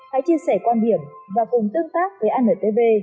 hãy chia sẻ quan điểm và cùng tương tác với antv